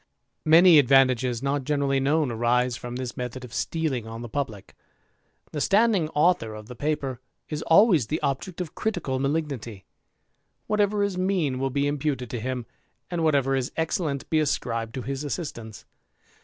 Many advantages not generally known arise from this method of stealing on the publicL The standing author of the paper is always the object of critical malignity. a8^ THE IDLER. Whatever is mean will be imputed to him, and whatever is excellent be ascribed to his assistants.